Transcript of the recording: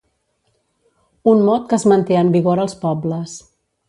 Un mot que es manté en vigor als pobles.